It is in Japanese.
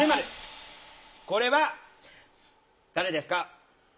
これは誰ですか？